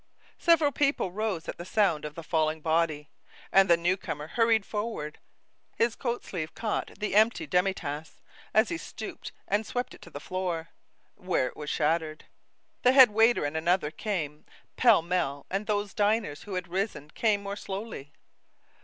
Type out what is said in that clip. Several people rose at the sound of the falling body, and the new comer hurried forward. His coat sleeve caught the empty demi tasse, as he stooped, and swept it to the floor, where it was shattered. The head waiter and another came, pell mell, and those diners who had risen came more slowly.